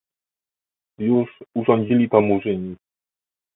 "Już urządzili to murzyni."